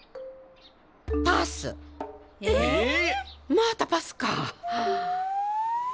またパスか。